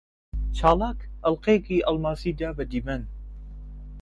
چالاک ئەڵقەیەکی ئەڵماسی دا بە دیمەن.